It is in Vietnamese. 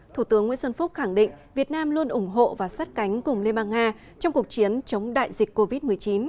thủ tướng nguyễn xuân phúc khẳng định việt nam luôn ủng hộ và sát cánh cùng liên bang nga trong cuộc chiến chống đại dịch covid một mươi chín